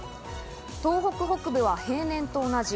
東北北部は平年と同じ。